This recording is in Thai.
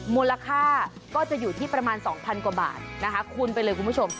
มูลค่าก็จะอยู่ที่ประมาณ๒๐๐กว่าบาทนะคะคูณไปเลยคุณผู้ชม